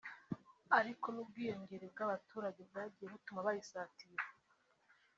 ariko n’ubwiyongere bw’abaturage bwagiye butuma bayisatira